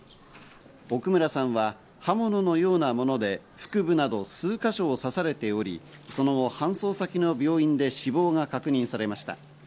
奥村さんは刃物のようなもので腹部など数か所を刺されており、その後、搬送先の病院で死亡が確認されました。